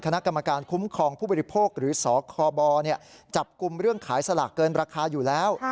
คณะกรรมการคุ้มครองผู้บริโภคหรือสคบจับกลุ่มเรื่องขายสลากเกินราคาอยู่แล้ว